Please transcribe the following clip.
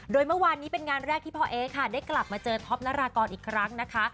โดยเมื่อวานนี้เป็นงานแรกที่พ่อเอ๊ค่ะได้กลับมาเจอท็อปนารากรอีกครั้งนะคะ